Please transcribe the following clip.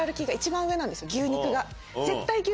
牛肉が。